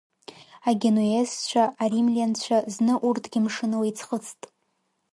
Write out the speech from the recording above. Агенуезцәа, аримлианцәа, зны урҭгьы мшынла иӡхыҵт.